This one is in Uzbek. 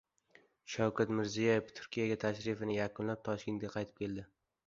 Shavkat Mirziyoyev Turkiyaga tashrifini yakunlab, Toshkentga qaytib keldi